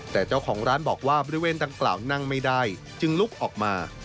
แต่เจ้าของร้านบอกว่าบริเวณดังกล่าวนั่งไม่ได้จึงลุกออกมา